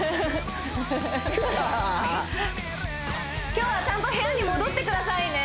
今日はちゃんと部屋に戻ってくださいね